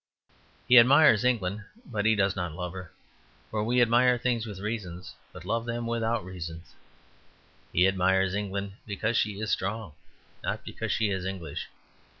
He admires England, but he does not love her; for we admire things with reasons, but love them without reasons. He admires England because she is strong, not because she is English.